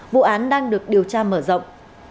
vụ án đang được điều tra mở rộng